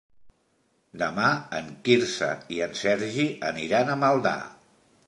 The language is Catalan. Demà en Quirze i en Sergi aniran a Maldà.